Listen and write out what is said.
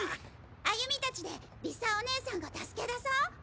歩美たちで理沙お姉さんを助け出そう！